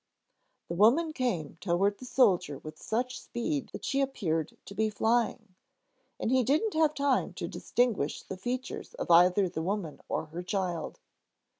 The woman came toward the soldier with such speed that she appeared to be flying, and he didn't have time to distinguish the features of either the woman or her child.